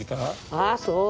ああそう。